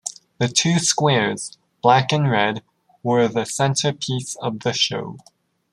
The two squares, Black and Red, were the centerpiece of the show.